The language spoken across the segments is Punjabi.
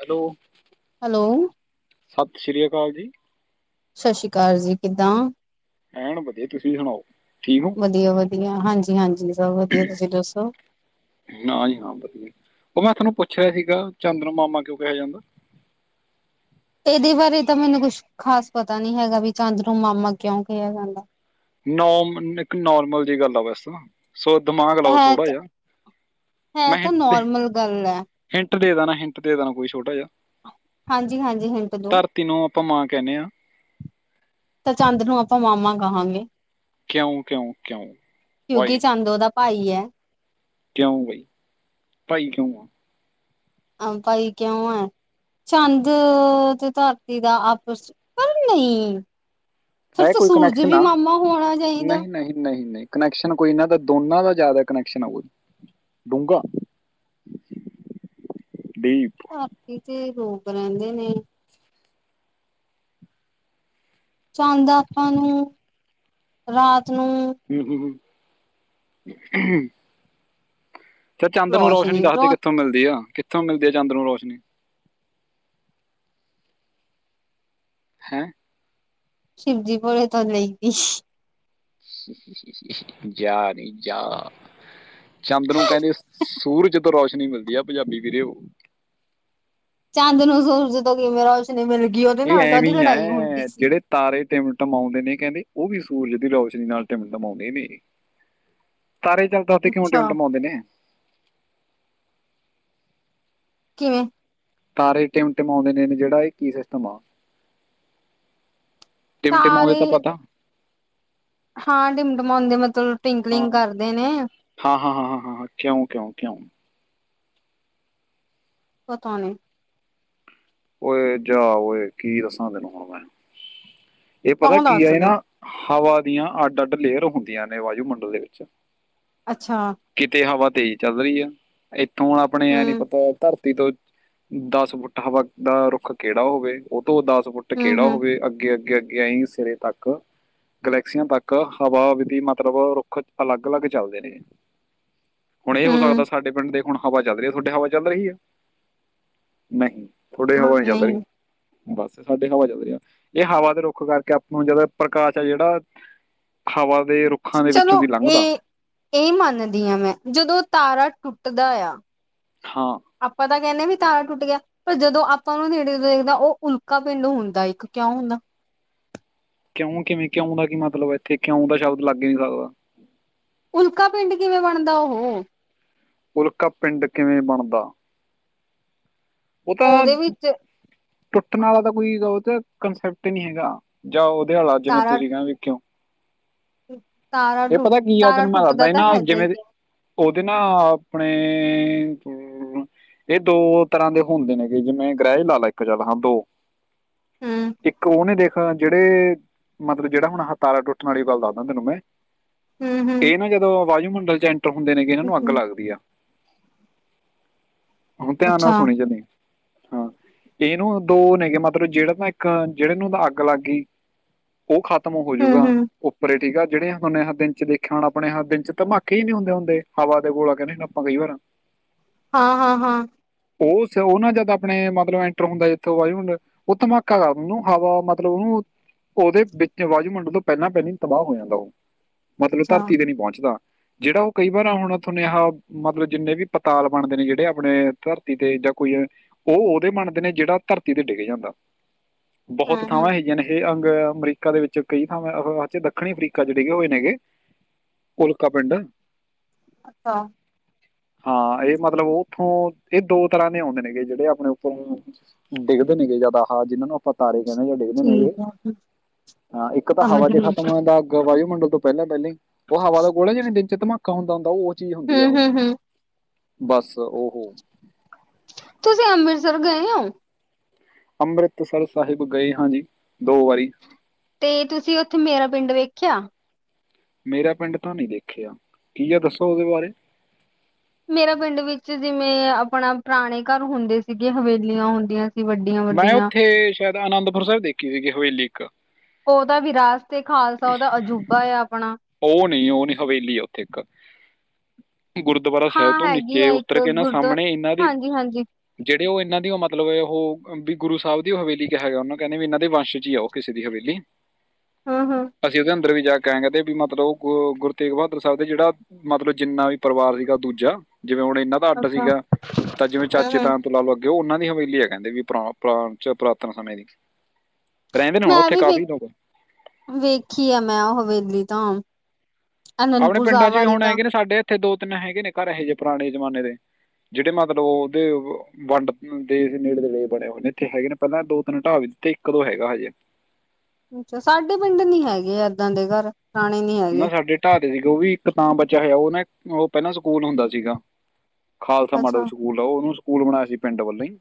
ਹੈਲੋ। ਹੈਲੋ ਸਤਿ ਸ੍ਰੀ ਅਕਾਲ ਜੀ। ਸਤਿ ਸ੍ਰੀ ਅਕਾਲ ਜੀ ਕਿੱਦਾਂ? ਮੈ, ਵਧੀਆ ਤੁਸੀਂ ਸੁਣਾਓ। ਵਧੀਆ- ਵਧੀਆ ਹਾਂਜੀ। ਹਾਂਜੀ। ਸਭ ਵਧੀਆ ਤੁਸੀਂ ਦੱਸੋ ਹਾਂਜੀ-ਹਾਂ ਵਧੀਆ ਉਹ ਮੈਂ ਤੁਹਾਨੂੰ ਪੁੱਛ ਪੁੱਛਣਾ ਸੀਗਾ ਚੰਦ ਨੂੰ ਮਾਮਾ ਕਿਉਂ ਕਿਹਾ ਜਾਂਦਾ? ਇਹਦੇ ਬਾਰੇ ਤਾਂ ਮੈਨੂੰ ਕੁਛ ਖ਼ਾਸ ਪਤਾ ਨੀ ਹੈਗਾ ਵੀ ਚੰਦ ਨੂੰ ਮਾਮਾ ਕਿਉਂ ਕਿਹਾ ਜਾਂਦਾ? ਨੋਮ ਇੱਕ ਨੋਰਮਲ ਜਿਹੀ ਗੱਲ ਆ ਵੈਸੇ ਤਾਂ। ਸੋ ਦਿਮਾਗ ਲਓ ਹੈ ਥੋੜਾ ਤਾਂ ਜਿਹਾ ਹੈ ਮੈਂ ਤਾਂ ਹਿੰਟ-ਹਿੰਟ ਨੋਰਮਲ ਗੱਲ ਹੈ ਹਿੰਟ ਦੇ ਦੇਣਾ, ਹਿੰਟ ਦੇ ਦੇਣਾ ਕੋਈ ਛੋਟਾ ਜਿਹਾ। ਹਾਂਜੀ ਹਾਂਜੀ ਹਿੰਟ ਦੋ ਧਰਤੀ ਨੂੰ ਆਪਾਂ ਮਾਂ ਕਹਿਨੇ ਹਾਂ। ਤਾਂ ਚੰਦ ਨੂੰ ਆਪਾਂ ਮਾਮਾ ਕਹਾਂਗੇ। ਕਿਉਂ-ਕਿਉਂ- ਕਿਉਂ ਵਾਈ? ਹ [unintelligible] ਕਿਉਂ ਬਾਈ, ਭਾਈ ਕਿਉਂ ਆ? ਹਾਂ, ਭਾਈ ਕਿਉਂ ਹੈ ਚੰਦ ਤੇ ਧਰਤੀ ਦਾ ਆਪਸ ਪਰ ਨਹੀਂ ਫਿਰ ਹੈ ਤਾਂ ਕੋਈ ਸੂਰਜ ਕਨੈਕਸ਼ਨ ਵੀ ਆ ਮਾਮਾ ਹੋਣਾ ਚਾਈਦਾ। ਨਹੀਂ ਨਹੀਂ ਨਹੀਂ ਨਹੀਂ ਕਨੈਕਸ਼ਨ ਕੋਈ ਨਾ ਅਗ ਦੋਨਾਂ ਤੋਂ ਜਾਦਾ ਕਨੈਕਸ਼ਨ ਆਉਗਾ ਜੀ ਡੂੰਘਾ। ਰਾਤੀਂ ਜੇ ਰੋ ਰੈੰਦੇ ਨੇ। ਚਾੰਦ ਆਪਾਂ ਨੂੰ ਰਾਤ ਨੂੰ ਹੂੰ-ਹੂੰ-ਉੰ। [unintelligible] ਫੇਰ ਚੰਦ ਨੂੰ ਰੋਸ਼ਨੀ ਦੱਸਦੇ, ਕਿੱਥੋਂ ਮਿਲਦੀ ਆ? ਕਿੱਥੋਂ ਮਿਲਦੀ ਐ ਚੰਦ ਨੂੰ ਰੋਸ਼ਨੀ? ਹੈਂ। ਸ਼ਿਵਜੀਪੁਰੇ ਤੋ ਲਈਦੀ। ਜਾ ਨੀ ਜਾ ਚੰਦ ਨੂੰ ਕੈੰਦੇ ਸੂਰਜ ਤੋਂ ਰੋਸ਼ਨੀ ਮਿਲਦੀ ਆ ਪੰਜਾਬੀ ਵੀਰੇਓ। ਚਾੰਦ ਨੂੰ ਸੂਰਜ ਤੋਂ ਕਿਵੇਂ ਰੌਸ਼ਨੀ ਮਿਲ ਗ ਇਹ ਐਵੇਂ ਈ ਐ, ਜੇੜੇ ਤਾਰੇ ਟਿਮਟਮਾਉਂਦੇ ਨੇ ਕੈੰਦੇ ਉਹ ਵੀ ਸੂਰਜ ਦੀ ਰੌਸ਼ਨੀ ਨਾਲ ਟਿਮਟਮਾਉਂਦੇ ਨੇ। ਤਾਰੇ ਹੀ ਚੱਲਦਾ ਤੇ ਕਿਉਂ ਅੱਛਾ। ਟਿਮਟਿਮਾਉਂਦੇ ਨੇ? ਕਿਵੇਂ? ਤਾਰੇ ਟਿਮਟਿਮਾਉਂਦੇ ਨੇ ਜੇੜਾ ਏ ਕੀ ਸਿਸਟਮ ਆ? ਟਿਮਟਿਮਾਉਂਦੇ ਤਾਰੇ ਤਾਂ ਪਤਾ। ਹਾਂ, ਟਿਮਟਿਮੋੰਦੇ ਮਤਲਬ ਹਾਂ ਟਵਿੰਕਲਿੰਗ ਕਰਦੇ ਨੇ। ਹਾਂ ਹਾਂ ਹਾਂ ਹਾਂ, ਕਿਉਂ ਕਿਉਂ ਕਿਉਂ? ਪਤਾ ਨੀ। ਔਏ ਜਾ ਔਏ, ਕੀ ਦੱਸਾਂ ਤੈਨੂੰ ਹੁਣ ਮੈਂ। ਏ ਪਤਾ ਤਾਂ ਕੀ ਏਹ ਦੱਸਦੇ। ਨਾ ਹਵਾ ਦੀਆਂ ਅੱਡ ਅੱਡ ਲੇਅਰ ਹੁੰਦੀਆਂ ਨੇ ਵਾਯੂ ਮੰਡਲ ਦੇ ਵਿੱਚ। ਅੱਛਾ। ਕਿਤੇ ਹਵਾ ਤੇਜ਼ ਚੱਲ ਰਹੀ ਆ ਇ ਤੂੰ ਆਪਣੇ ਯੈ ਨੀ ਹੂੰ, ਪਤਾ ਧਰ ਤੀ ਤੋਂ ਦੱਸ ਵੂਟ ਹਵਾ ਦਾ ਰੁੱਖ ਕੇੜਾ ਹੋਵੇ? ਔ ਤੋਂ ਦਸ ਫੁੱਟ ਹੂੰ, ਕੇੜਾ ਹੂੰ, ਹੋਵੇ, ਅੱਗੇ ਅੱਗੇ ਅੱਗ ਗਿਆ ਇਣ ਸਿਰੇ ਤੱਕ ਗਲੈਕਸੀਆਂ ਤੱਕ ਹਵਾ ਵਿਧੀ ਮਤਲਬ ਰੁੱਖ ਅਲੱਗ ਅਲੱਗ ਚੱਲਦੇ ਨੇ, ਹੁਣ ਏ ਹੋ ਸਕਦਾ ਹੂੰ ਸਾਡੇ ਪਿੰਡ ਦੇ ਹੁਣ ਹਵਾ ਚੱਲ ਰੀ ਐ, ਤੁਹਾਡੇ ਹਵਾ ਚੱਲ ਰਹੀ ਹੈ? ਨਹੀਂ। ਥੋਡੇ ਹਾਂ ਹਵਾ ਨੀ ਚੱਲ ਨਹੀਂ ਰੀ। ਬਸ ਸਾਡੀ ਹਵਾ ਚੱਲਰੀ ਆ, ਏ ਹਵਾ ਦੇ ਰੁੱਖ ਕਰਕੇ ਅਪਾਂ ਨੂੰ ਜਦੈ ਪ੍ਰਕਾਸ਼ ਐ ਜੇੜਾ ਹਵਾ ਦੇ ਰੁੱਖਾਂ ਦੇ ਚਲੋ ਵਿੱਚੋਂ ਦੀ ਏ ਲੰਘਦਾ ਏ ਮੰਨਦੀ ਆਂ ਮੈਂ ਜਦੋਂ ਤਾਰਾ ਟੁੱਟ [unintelligible] ਹਾਂ ਤਾਂ ਕਹਿੰਦੇ ਵੀ ਤਾਰਾ ਟੁੱਟ ਗਿਆ ਪਰ ਜਦੋਂ ਆਪਾਂ ਉਹਨ ਨੇੜੇ ਦੇਖਦਾ ਉਹ ਉਲਕਾ ਪਿੰਡ ਹੁੰਦਾ ਇੱਕ ਕਿਉਂ ਹੁੰਦਾ ਕਿਉਂ ਕਿਵੇਂ ਕਿਉਂ ਦਾ ਕੀ ਮਤਲਬ ਹੈ ਇੱਥੇ ਕਿਉਂ ਦਾ ਸ਼ਬਦ ਲੱਗ ਨਹੀਂੀ ਸਕਦਾ ਉਲਕਾ ਪਿੰਡ ਕਿਵੇਂ ਬਣਦਾ ਉਹ ਉਲਕਾ ਪਿੰਡ ਕਿਵੇਂ ਬਣਦਾ ਉਹ ਤਾਂ ਉਹਦੇ ਵਿੱਚ ਟੁੱਟਣ ਵਾਲਾ ਤਾਂ ਕੋਈ ਉਹ ਕੰਸੈਪਟ ਨਹੀਂੀ ਹੈਗਾ ਜਾ ਉਧਿਆਲਾ ਅੱਜ ਮੈਂ ਤਾਰਾ ਤੁਸੀਂ ਕਹ ਵੇਖਿਓ ਤਾਰਾ ਟੁੱਟ ਕੀ ਆ ਤਾਰਾ ਤੈਨੂੰ ਮੈਂ ਦੱਸਦਾ ਟੁੱਟਦਾ ਇਹ ਤਾਂ ਨਾ ਹੈਗਾ ਹੀ ਜਿਵੇਂ ਹੈ। ਉਹਦੇ ਨਾ ਆਪਣੇ ਇਹ ਦੋ- ਤਰ੍ਹਾਂ ਦੇ ਹੁੰਦੇ ਨੇਗੇ ਜਿਵੇਂ ਗ੍ਰਹਿ ਲਾਲਾ ਇੱਕ ਚੱਲ ਹਾਂ ਦੋ- ਹਮ ਇੱਕ ਉਹਨੇ ਦੇਖ- ਜਿਹੜੇ ਮਤਲਬ ਜਿਹੜਾ ਹੁਣ ਹਤਾਰਾ ਟੁੱਟਣ ਵਾਲੀ ਗੱਲ ਦੱਸਦਾ ਤੈਨੂੰ ਮੈਂ- ਹਮ ਇਹ ਨਾ ਜਦੋਂ ਵਾਜੂ- [unintelligible] ਹੁੰਦੇ ਨੇਗੇ ਇਹਨਾਂ ਨੂੰ ਅੱਗ ਹਮ ਲੱਗਦੀ ਆ। ਹੁਣ ਧਿਆਨ ਅੱਛਾ ਨਾਲ- ਹਾਂ ਇਹਨੂੰ ਦੋ ਨੇਗੇ ਮਤਲਬ ਜਿਹੜੇ ਨਾ ਇੱਕ ਜਿਹੜੇ ਨੂੰ ਤਾਂ ਅੱਗ ਲੱਗ ਗਈ। ਉਹ ਖ਼ਤਮ ਹਮ ਹੋਜੂਗਾ ਹਮ ਉੱਪਰੇ ਠੀਕ ਆ। ਜਿਹੜੇ ਹੇ ਦਿਨ ਚ ਦੇਖਿਆ ਹੋਣਾ ਆਪਣੇ ਦਿਨ ਚ ਧਮਾਕੇ ਹੀ ਨੀ ਹੁੰਦੇ ਹੁੰਦੇ ਹਵਾ ਦੇ ਗੋਲਾ ਕਹਿੰਦੇ ਹੁ ਆਪਾਂ ਕਈ ਵਾਰਾਂ- ਹਾਂ-ਹਾਂ-ਹਾਂ! ਉਹ ਉਹ ਨਾ ਜਦ ਆਪਣੇ ਮਤਲਬ ਐਂਟਰ ਹੁੰਦਾ ਜਥੋਂ ਵਾਯੂਮੰਡਲ ਉਹ ਧਮਾਕਾ ਕਰ ਉਹਨੂੰ ਹਵਾ ਮਤਲਬ ਉਹਨੂੰ ਉਹਦੇ ਵਿੱਚ ਵਾਯੂਮ ਮੰਡਲ ਤੋਂ ਪਹਿਲਾਂ ਪਹਿਲ ਤਬਾਹ ਹੋ ਜਾਂਦਾ ਉਹ- ਮਤਲਬ ਅੱਛਾ ਧਰਤੀ ਤੇ ਨਹੀ ਪਹੁੰਚਦਾ- ਜਿਹੜਾ ਉਹ ਕਈ ਵਾਰ ਹੁਣ ਤੁਹਾਨੇ ਆ ਮਤਲਬ ਜਿੰਨੇ ਵੀ ਪਤਾਲ ਬਣਦੇ ਨੇ ਜਿਹੜੇ ਆਪਣੇ ਧਰ- ਧਰਤੀ ਤੇ ਜਾਂ ਕੋਈ ਉਹ ਉਹਦੇ ਮੰਨਦੇ ਨੇ ਜਿਹੜਾ ਧਰਤੀ ਤੇ ਡਿੱਗ ਜਾਂਦਾ। ਬਹੁਤ ਹਮ ਹਮ ਥਾਵਾਂ ਹੈਗੀਆਂ ਨੇ ਇਹ ਅ- ਅਮਰੀਕਾ ਦੇ ਵਿੱਚ ਕਈ ਥਾਵਾਂਚੇ ਦੱਖਣੀ ਅਫਰੀਕਾ ਜਿਹੜੇ ਉਹਏ ਨੇਗੇ ਉਲਕਾ ਪਿੰਡ- ਅੱਛਾ। ਹਾਂ ਇਹ ਮਤਲਬ ਉਹ ਉੱਥੋਂ- ਇਹ ਦੋ ਤਰ੍ਹਾਂ ਦੇ ਆਉਂਦੇ ਨੇਗੇ ਜਿਹੜੇ ਆਪਣੇ ਉੱਪਰੋਂ ਡਿੱਗਦੇ ਨੇਗੇ ਜਿਆਦਾ ਹਾਂ ਜਿਹਨਾਂ ਨੂੰ ਆਪਾਂ ਤਾਰੇ- ਡਿੱਗਦੇ ਨੇਗੇ ਠੀਕ ਹੈ ਹਾਂ ਇੱਕ ਤਾਂ ਸਮਝ ਹਵਾ ਚ ਗਈ ਖਤਮ ਹੋ ਜਾਂਦਾ ਵਯੂਮ ਮੰਡਲ ਤੋਂ ਪਹਿਲਾਂ ਪਹਿਲਾਂ ਉਹ ਹਵਾ ਦਾ ਗੋਲ ਜ ਨਹੀਂ ਦਿੰ- ਧਮਾਕਾ ਹੁੰਦਾ ਹੁੰਦਾ ਉਹ- ਚੀਜ਼ ਹੁੰਦੀ ਆ ਉਹ ਹੂੰ'-ਹੂੰ-ਹੂੰ ਬਸ ਉਹ ਤੁਸੀਂ ਅੰਮ੍ਰਿਤਸਰ ਗਏ ਹੋ? ਅੰਮ੍ਰਿਤਸਰ ਸਾਹਿਬ ਗਏ ਹਾਂ ਜੀ ਦੋ ਵਾਰੀ ਤੇ ਤੁਸੀਂ ਉੱਥੇ ਮੇਰਾ ਪਿੰਡ ਵੇਖਿਆ- ਮੇਰਾ ਪਿੰਡ ਤਾਂ ਨਹੀਂ ਦੇਖਿਆ। ਕੀ ਆ ਦੱਸੋ ਉਹਦੇ ਬਾਰੇ। ਮੇਰਾ ਪਿੰਡ ਵਿੱਚ ਜਿਵੇਂ ਆਪਣਾ ਪੁਰਾਣੇ ਘਰ ਹੁੰਦੇ ਸੀਗੇ, ਹਵੇਲੀਆਂ ਹੁੰਦੀਆਂ ਸੀ ਵੱਡੀਆਂ ਮੈਂ ਵੱਡੀਆਂ ਉੱਥੇ ਸ਼ਾਇਦ ਅਨੰਦਪੁਰ ਸਾਹਿਬ ਦੇਖੀ ਸੀਗੀ ਹਵੇਲੀ। [unintelligible] ਉਹਦਾ ਵੀ ਰਾਜ ਤੇ ਖਾਲਸਾ ਉਹਦਾ ਅਜੂਬਾ ਆ ਆਪਣਾ। ਉਹ ਨਹੀਂ ਉਹ ਹਵੇਲੀ ਆ ਉੱਥੇ ਇੱਕ। ਗੁਰਦੁਆਾਰਰਾ ਸਾਹਿਬ ਹਾਂ ਤੋਂ ਹੈਗੀ ਨੀਚੇ ਆ ਇੱਕ ਉਤਰ ਕੇ ਇਹਨਾਂ ਗੁਰਦੁਆ ਸਾਹਮਣੇ ਇਹਨਾਂ ਦੇ ਹਾਂਜੀ ਹਾਂਜੀ ਜਿੇ ਉਹ ਇਹਨਾਂ ਦੀ ਮਤਲਬ ਹੈ ਔ ਹ ਗੁਰੂ ਸਾਹਿਬ ਹੋਵੇਲੀ ਕਿਹਾ ਗਿਆ ਉਹੂੰ ਕਹਿੰ ਵੀ ਇਹਨਾ ਦੇ ਵੰਸ਼ ਚ ਹੀ ਔ ਕਿਸੇ ਦੀ ਹਵੇਲੀ। ਹਮ ਹਮ ਅਸੀਂ ਉਹਦੇ ਆਂ ਉ ਵੀ ਜਾ ਕੇ ਕਹਿਣ ਕਹਿੰਦੇ ਵੀ ਮਤਲਬ ਗ ਗੁਰੂ ਤੇਗ ਬਹਾਦਰ ਸਾਹਿਬ ਦਾ ਜਿਹੜਾ ਮਤਲਬ ਜਿੰਨਾ ਵੀ ਪਰਿਵਾਰ ਸੀਗਾ ਦੂਜਾ ਜਿਵੇਂ ਹੁਣ ਇਹਨਾਂ ਦਾ ਅੱਡ ਅੱਛਾ। ਸੀਗਾ ਤਾਂ ਜਿਵੇਂ ਹੂੰ ਚਾਚੇ ਹੂੰ ਤਾਂ ਤੋਂ ਅਲਾਵਾ ਉਹਨਾਂ ਦੀ ਹਵੇਲੀ ਹੈ ਕਹਿੰਦੇ ਵੀ ਪੁਰਾ ਪੁਰਾਤਨ ਸਮੇਂ ਦੀ। ਰਹਿੰਦੇ ਨੇ ਹੁਣ ਉੱਥੇ ਕਾਫੀ ਲੋਕ। ਰਖੀ ਆ ਮੈਂ ਉਹ ਹਵੇਲੀ ਤਾਂ। ਆਪਣੇ ਅਨੰਦਪੁਰ ਪਿੰਡਾਂ ਸਾਹਿਬ ਚ ਵੀ ਵਾਲੀ ਹੁਣ ਤਾਂ। ਹੈਗੇ ਨੇ ਸਾਡੇ ਇੱਥੇ ਦੋ ਤਿੰਨ ਹੈਗੇ ਨੇ ਘਰ ਇਹੋ ਜਿਹੇ ਪੁਰਾਣੇ ਜਮਾਨੇ ਦੇ। ਜਿਹੜੇ ਮਤਲਬ ਉਹਦੇ ਵੰਡ ਦੇ ਨੇੜੇ ਤੇੜੇ ਦੇ ਬਣੇ ਹੋਏ ਨੇ। ਇੱਥੇ ਹੈਗੇ ਨੇ ਪਹਿਲਾਂ ਦੋ ਤਿੰਨ ਢਾਹਾਬ ਦਿੱਤੇ ਇੱਕ ਦੋ ਹੈਗਾ ਹਜੇ। ਅੱਛਾ ਸਾਡੇ ਪਿੰਡ ਨੀ ਹੈਗੇ ਏਦਾਂ ਦੇ ਘਰ। ਪੁਰਾਣੇ ਨੀ ਹੈਗੇ ਨਾ ਸਾਡੇ ਢਾਹ ਦੇ ਸੀਗੇ ਉਹ ਵੀ ਇੱਕ ਤਾਂ ਬੱਚਾ ਹੋਇਆ ਉਹਨੇ ਉਹ ਪਹਿਲਾਂ ਸਕੂਲ ਹੁੰਦਾ ਸੀਗਾ। ਖਾਲਸਾ ਮਾਡਲ ਅੱਛਾ ਸਕੂਲ ਆ ਉਹਨੂੰ ਸਕੂਲ ਬਣਾਇਆ ਸੀ ਪਿੰਡ ਵੱਲੋਂ ਹੀ।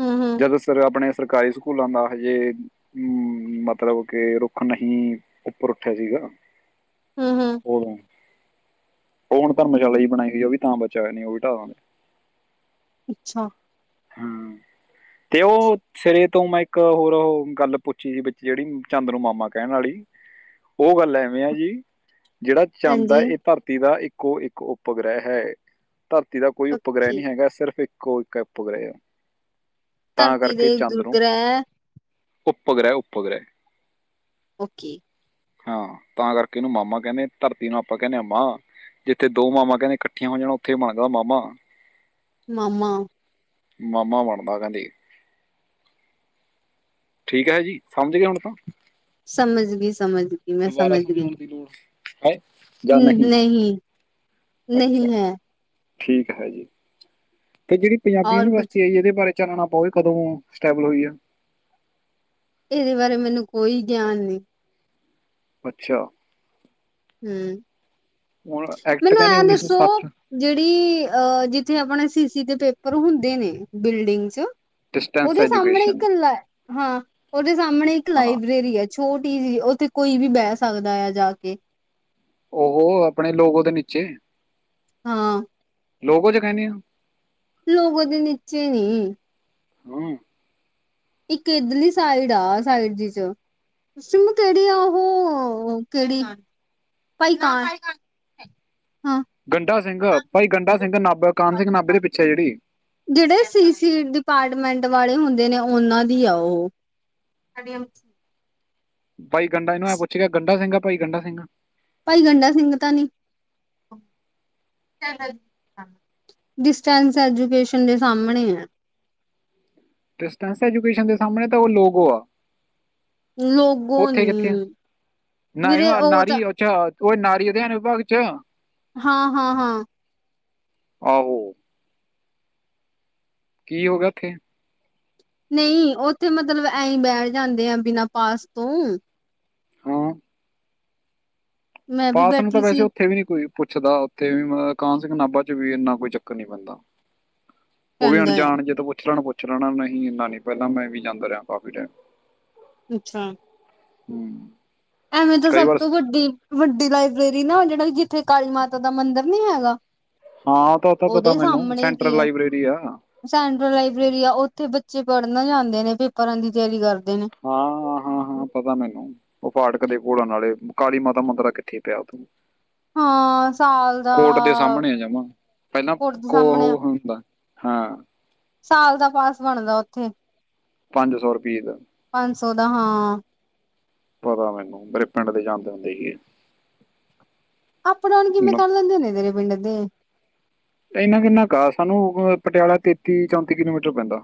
ਹੂੰ ਹੂੰ। ਜਦੋਂ ਸਰ ਆਪਣੇ ਸਰਕਾਰੀ ਸਕੂਲਾਂ ਦਾ ਹਜੇ ਹਮ ਮਤਲਬ ਕੇ ਰੁੱਖ ਨਹੀਂ ਉੱਪਰ ਠਾ ਸੀਗਾ। ਹੁੰ ਹੁੰ। ਉਦੋਂ ਉਹ ਹੁਣ ਧਰਮਸ਼ਾਲਾ ਜ ਬਣਾਈ ਹੋਈ ਉਹ ਵੀ ਤਾਂ ਬਚਿਆ ਹੋਇਆ। ਨੇ ਉਹ ਵੀ ਢਾ ਦਾਂਗੇ ਅੱਛਾ। ਹੁੰ। ਤੇ ਉਹ ਸ ਤੋਂ ਮੈਂ ਇੱਕ ਹੋਰ ਗੱਲ ਪੁੱਛੀ ਸੀ ਵਿੱਚ ਜਿਹੜੀ ਚੰਦ ਨੂੰ ਮਾਮਾ ਕਹਿਣ ਵਾਲੀ ਉਹ ਗੱਲ ਐਵੇਂ ਆ ਜੀ। ਜਿਹੜਾ ਚੰਦ ਹੈ ਹਾਂਜੀ ਇਹ ਧਰਤੀ ਦਾ ਇੱਕ ਕੋ ਇੱਕ ਉਪਗ੍ਰਹਿ ਹੈ। ਧਰਤੀ ਦਾ ਕੋਈ ਉਪਗ੍ਰਹਿ ਪੱਕੀ ਨਹੀ ਹੈਗਾ ਸਿਰਫ ਇੱਕ ਕੋਈ ਕ ਪੁਗ ਰ ਧਰਤੀ ਦੇ ਦੁਰਗ੍ਰਹਿ ਉੱਪਗ੍ਰਹਿ ਉੱਪਗ੍ਰਹਿ ਓਕੇ ਹਾਂ ਤਾਂ ਕਰਕੇ ਇਹਨੂੰ ਮਾਮਾ ਕਹਿੰਦੇ ਧਰਤੀ ਨੂੰ ਆਪਾਂ ਕਹਿੰਦੇ ਹ ਮਾ ਜਿੱਥੇ ਦੋ ਮਾਮਾ ਕਹਿੰਦੇ ਇਕੱਠੀਆਂ ਹੋ ਜਾਣਣਾ ਉੱਥੇ ਬਣ ਜਾਂਦਾ ਮਾਮਾ ਮਾਮਾ ਮਮਾ ਵੈਣਾ ਮਘਾਂ ਦੇ ਠੀਕ ਹੈ ਜੀ ਸਮਝ ਗਏ ਹੁਣ ਤਾਂ। ਸਮਝ ਗਈ, ਸਮਝ ਗਈ, ਮੈਂ ਸਮਝ ਗਈ। ਹੈਾਂ ਹੂ ਨਹੀਂ ਅੱਛਾ ਨਹੀਂ ਹੈ ਠੀਕ ਹੈ ਜੀ ਤੇ ਜਿਹੜੀ ਪੰਜਾਬੀ ਔਰ ਕੁਛ ਯੂਨੀਵਰਸਟੀ ਹੈ ਜੀ, ਇਹਦੇ ਬਾਰੇ ਚੱਲਣਾ ਪਵੇ ਕਦੋਂ ਸਟੈਬਲ ਹੋਈ ਐ। ਇਹਦੇ ਬਾਰੇ ਮੈਨੂੰ ਕੋਈ ਗਿਆਨ ਨਹੀਂ। ਅੱਛਾ ਹੂ ਹੁਣ ਐਕਟ ਮੈਨੂੰ ਕਹਿੰਦੇ ਐਂ ਦੱਸੋ ਜਿਹੜੀ ਅਹ ਜਿੱਥੇ ਆਪਣੇ ਸੀਸੀ ਤੇ ਪੇਪਰ ਹੁੰਦੇ ਨੇ, ਬਿਲਡਿੰਗ ਚ ਡਿਸਟੈਂਸ ਔਦੇ ਸਾਹਮਣੇ ਐਜੂਕੇਸ਼ਨ ਇੱਕ ਲੈ, ਹਾਂ ਔਦੇ ਸਾਹਮਣੇ ਇੱਕ ਹਾਂ ਲਾਇਬ੍ਰੇਰੀ ਹੈ ਛੋਟੀ ਜੀ, ਉੱਥੇ ਕੋਈ ਵੀ ਬਹਿ ਸਕਦਾ ਆ, ਜਾ ਕੇ ਉਹ ਆਪਣੇ ਲੋਕ ਔਦੇ ਨੀਚੇ ਹਾਂ ਲੋਕ ਔ, ਜੋ ਕਹਿਣੇ ਔ ਲੋਕ ਉਹਦੇ ਨੀਚੇ ਨੇ ਹੂ ਇੱਕ ਇਧਰਲੀ ਸਾਈਡ ਆ, ਸਾਈਡ ਜੀ ਚ, ਸਿਮੀ ਕਿਹੜੀ ਆ ਉਹ ਕਿਹੜੀ ਹਾਂ ਗੰਡਾ ਸਿੰਘ, ਭਾਈ ਗੰਡਾ ਸਿੰਘ ਸਿੰਘ ਨਾ ਕਾਨ ਜਿਹੜੇ ਸੀ ਸੀ ਡਿਪਾਰਟਮੈਂਟ ਵਾਲੇ ਹੁੰਦੇ। ਦੇ ਨੇ ਉਹਨਾਂ ਦੀ ਆ ਔ ਬਾਈ ਗੰਡਾ ਇਹਨੂੰ ਇਹ ਪੁੱਛ ਗਿਆ, ਗੰਡ ਸਿੰਘ ਭਾਈ ਗੰਡਾ ਸਿੰਘ ਭਾਈ ਗੰਡਾ ਸਿੰਘ ਤਾਂ ਨੀ, ਡਿਸਟੈਂਸ ਐਜੂਕੇਸ਼ਨ ਦੇ ਸਾਹਮਣੇ ਆ ਡਿਸਟੈਂਸ ਐਜੂਕੇਸ਼ਨ ਦੇ ਸਾਹਮਣੇ ਤਾਂ ਉਹ ਲੋਗੋ ਆ ਲੋਗੋ ਉੱਥੇ ਨੀ, ਕਿੱਥੇ ਆ ਵੀਰੇ ਉਹ ਤਾਂ ਉਹੇ ਨਾਰੀ ਅਧਿਆਨ ਵਿਭਾਗ ਚ- ਹਾਂ-ਹਾਂ-ਹਾਂ! ਆਹੋ। ਕੀ ਹੋਗਾ ਇੱਥੇ- ਨਹੀਂ ਉੱਥੇ ਮਤਲਬ ਐਸੀਂ ਬੈਠ ਜਾਂਦੇ ਆ ਬਿਨਾਂ ਪਾਸ ਤੋਂ ਹੂੰ। ਮੈਂ ਵੀ ਪਾਸ ਨੂੰ ਤਾਂ ਬੈਠੀ ਵੈਸੇ ਸੀ ਉੱਥੇ ਵੀ ਨੀ ਕੋਈ- ਪੁੱਛਦਾ ਉੱਥੇ ਵੀ ਮਤਲਬ ਕਾਨ ਸਿੰਘ ਨਾਭਾ ਚ ਵੀ ਇੰਨਾ ਕੋਈ ਚੱਕਰ ਨੀ ਪੈਂਦਾ ਉਹ ਵੀ ਕਹਿੰਦਾ ਆ ਅਣਜਾਣ ਜੇਦ ਪੁੱਛ ਲੈਣ ਪੁੱ- ਚਲਾਣਾ ਨਹੀਂ ਇੰਨਾ ਨਹੀਂ ਪਹਿਲਾਂ ਮੈਂ ਵੀ ਜਾਂਦਾ ਰਿਹਾ ਕਾਫੀ ਟਾਈਮ- ਅੱਛਾ। ਹੂੰ। ਐਵੇਂ ਤਾਂ ਕਈ ਸਭ ਵਾਰ ਤੋਂ ਵੱਡੀ ਵੱ- ਡੀ ਲਾਇਬ੍ਰੇਰੀ ਨਾ ਜਿਹੜਾ ਜਿੱਥੇ ਕਾਲੀ ਮਾਤਾ ਦਾ ਮੰਦਿਰ ਨੀ ਹੈਗਾ ਹਾਂ ਤਾਂ ਤਾਂ ਪਤਾ ਉਹਦੇ ਮੈਨੂੰ ਸਾਹਮਣੇ ਸੈਂਟਰਲ ਜੀ ਹੈ ਲਾਇਬ੍ਰੇਰੀ ਆ ਸੈਂਟਰਲ ਲਾਈਬ੍ਰੇਰੀ ਆ ਉੱਥੇ- ਬੱਚੇ ਪੜ੍ਹਨਾ ਜਾਂਦੇ ਨੇ ਪੇਪਰਾਂ ਦੀ ਤਿਆਰੀ ਕਰਦੇ- ਨੇ ਹਾਂ-ਹਾਂ -ਹਾਂ ਪਤਾ ਮੈਨੂੰ ਫਾਟਕ ਦੇ ਘੋਲਣ ਵਾਲੇ ਕਾਲੀ ਮਾਤਾ ਮੰਦਰਾ ਕਿੱਥੇ ਪਿਆ ਉ ਤੂੰ- ਹਾਂ ਸਾਲ ਦਾ ਕੋਰਟ ਦੇ ਸਾਹਮਣੇ ਆ ਜਮਾ ਪਹਿਲਾਂ ਕੁੁਰਦ ਕੋ ਸਾਹਮਣੇ ਆ ਉਹ ਹੁੰਦਾ ਹਾਂ ਸਾਲ ਦਾ ਪਾਸ ਬਣਦਾ ਉੇ- [unintelligible] ਪੰਜ ਸੌ ਰੁਪਈਏ ਦਾ- ਸੋਦਾ ਹਾਂ ਪਤਾ ਮੈਨੂੰ ਮੇਰੇ ਪਿੰਡ ਦੇ ਜਾਂਦੇ ਹੁੰਦੇ ਸੀ। ਅਪਣਾ ਕਿਵੇਂ ਇਹ। ਕਰ ਲੈਂਦੇ ਨੇ ਤੇਰੇ ਪਿੰਡ- ਦੋ- ਇੰਨਾ ਕਿੰਨਾ ਕ ਸਾਨੂੰ ਪਟਿਆਲਾ ਤੇਤੀ ਚੌਂਤੀ ਕਿਲੋਮੀਟਰ ਪੈਂਦਾ-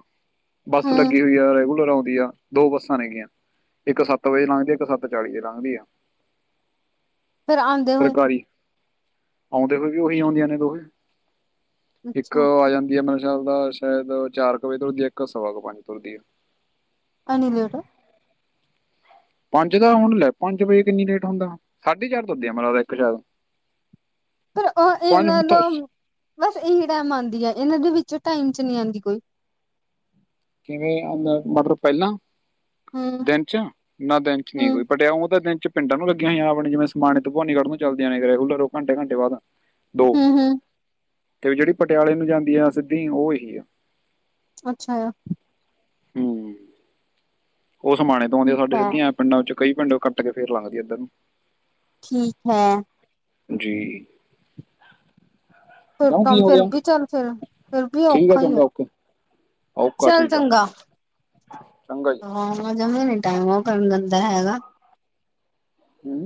ਬੱਸ ਹੂੰ ਲੱਗੀ ਹੋਈ ਹੈ। ਆਉਂਦੀ ਆ ਦੋ ਬੱਸਾਂ ਨੇਗੀਆਂ ਇੱਕ ਸੱਤ ਵਜੇ ਲੰਘਦੀ ਆ ਇੱਕ ਸੱਤ ਚਾਲੀ ਵਜੇ ਲੰਘਦੀ ਆ। ਫਿਰ ਆਦੇ ਹੋਏ- ਆਦੇ ਹੋਏ ਵੀ ਉਹੀ ਆਉਂਦੀਆਂ ਨੇ ਦੋਹੇ- ਇੱਕ ਅੱਛਾ ਆ ਜਾਂਦੀ ਹੈ [unintelligible] ਚੱਲਦਾ ਸ਼ਾਇਦ ਚਾਰ ਕੁ ਵਜੇ ਤੁਰਦੀ ਹੈ ਇੱਕ ਸਵਾ ਕੁ ਪੰਜ ਤੁਰਦੀ ਹੈ। ਅਨਿਲੇਟਰ- ਪੰਜ ਦਾ ਹੁਣ ਲੈ ਪੰਜ ਵਜੇ ਕਿੰਨੀ ਲੇਟ ਹੁੰਦਾ ਸਾਢੇ ਚਾਰ ਤੋਂਦਿਆਂ ਮਰਾ ਦਾ ਇੱਕ ਚਾਰ- ਪਰ ਉਹ ਇਹਨਾਂ ਦਾ ਬਸ ਇਹੀ ਟਾਈਮ ਆਦੀ ਹ ਇਹਨਾਂ ਦੇ ਵਿੱਚ ਜ ਟਾਈਮ ਚ ਨਹੀਂ ਆਂਦੀ ਕੋਈ। ਕਿਵੇਂ ਆਦਾ ਮਟਰ ਪਹਿਲਾਂ- ਹੂੰ ਦਿਨ ਚ ਨਾ ਦਿਨ ਚ ਨਹੀਂ ਹੂੰ ਕੋਈ ਪਟਿਆਊ ਤਾਂ ਦਿਨ ਚ- ਭਿੰਡਾਂ ਨੂੰ ਲੱਗੀਆਂ ਹੋਈਆਂ ਆਵਣੇ ਜਿਵੇਂ ਸਮਾਨੇ ਤੋਂ ਭਵਾਨੀਗਢ ਨੂੰ ਚਲਦੀਆਂ ਨੇ, ਰੈਗੂਲਰ ਔ ਘੰਟੇ- ਘੰਟੇ ਬਾਦ। ਹੂੰ ਹੂੰ ਤੇ ਜੇੜੀ ਪਟਿਆਲੇ ਨੂੰ ਜਾਂਦੀ ਆ ਸਿੱਧੀ ਔ ਏਹੀ ਆ। ਅੱਛਾ ਆ। ਹੂੰ ਔ ਸਮਾਣੇ ਤੋਂ ਆਉਂਦੀ ਠੀਕ ਸਾਡੇ ਹੈ ਸਿੱਧੀਆਂ ਏਂ ਪਿੰਡਾਂ 'ਚ। ਕਈ ਪਿੰਡੋਂ ਕੱਟ ਕੇ ਫੇਰ ਲੰਘਦੀ ਏਧਰ ਨੂੰ। ਠੀਕ ਹੈ। ਜੀ ਫਿਰ ਕਿਉਂ ਤਾਂ ਕੀ ਹੋ ਫੇਰ ਗਿਆ ਵੀ ਚੱਲ ਫੇਰ ਫਿਰ ਵੀ ਠੀਕ ਆ ਔਖਾ ਈ ਐ। ਚੰਗਾ ਓਕੇ ਓਕਾ ਚੱਲ ਠੀਕ ਆ ਚੰਗਾ। ਚੰਗਾ [inaudible] ਜੀ ਜਵੇਂ ਨੀ ਟੈਮ ਓ ਕਰਨ ਦਿੰਦਾ ਹੈਗਾ। ਹੂੰ